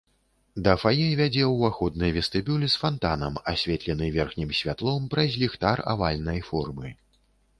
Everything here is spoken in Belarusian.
Да фае вядзе ўваходны вестыбюль з фантанам, асветлены верхнім святлом праз ліхтар авальнай формы.